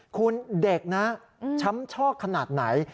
คุณเด็กนะช้ำชอกขนาดไหน